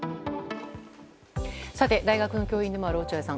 さて、大学の教員でもある落合さん。